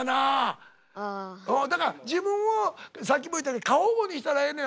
だから自分をさっきも言ったように過保護にしたらええのや。